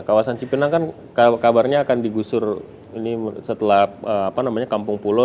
kawasan cipinang kan kabarnya akan digusur setelah kampung pulo